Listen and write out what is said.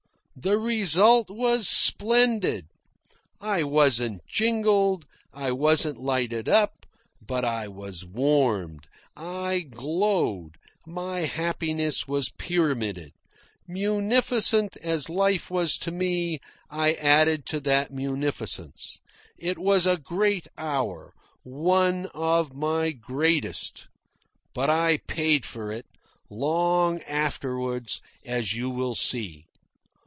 The result was splendid. I wasn't jingled, I wasn't lighted up; but I was warmed, I glowed, my happiness was pyramided. Munificent as life was to me, I added to that munificence. It was a great hour one of my greatest. But I paid for it, long afterwards, as you will see.